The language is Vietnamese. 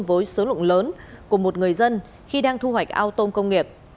với số lượng lớn của một người dân khi đang thu hoạch ao tôm công nghiệp